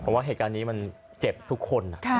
เพราะว่าเหตุการณ์นี้มันเจ็บทุกคน